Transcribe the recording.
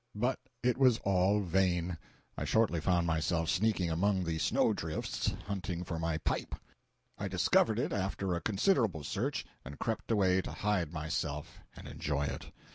But it was all vain, I shortly found myself sneaking among the snow drifts hunting for my pipe. I discovered it after a considerable search, and crept away to hide myself and enjoy it.